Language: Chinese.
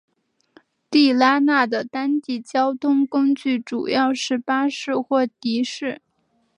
地拉那的当地交通工具主要是巴士或的士。